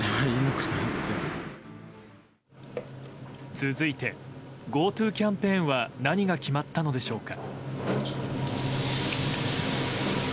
続いてＧｏＴｏキャンペーンは何が決まったのでしょうか。